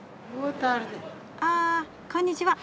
あこんにちは。